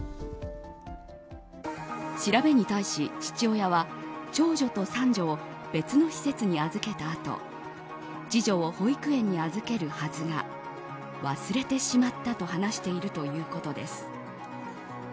調べに対し、父親は長女と三女を別の施設に預けたあと次女を保育園に預けるはずが忘れてしまったと話しているということです。